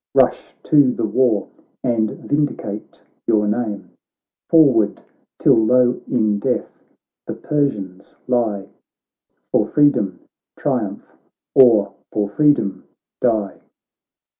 Rush to the war, and vindicate your name ; Forward ! tilUowin death the Persianslie, For freedom triumph or for freedom die.'